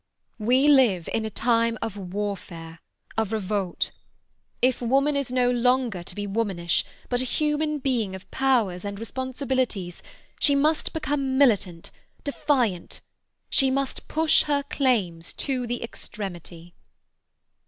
We live in a time of warfare, of revolt. If woman is no longer to be womanish, but a human being of powers and responsibilities, she must become militant, defiant. She must push her claims to the extremity.